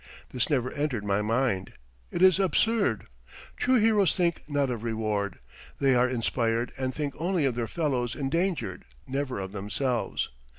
This never entered my mind. It is absurd. True heroes think not of reward. They are inspired and think only of their fellows endangered; never of themselves.